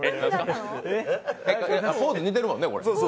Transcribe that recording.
ポーズ似てるもんね。